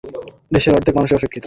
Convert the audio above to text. দেশের অর্ধেক মানুষই অশিক্ষিত।